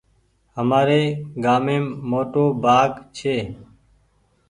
همآري گھاميم موٽو بآگ ڇي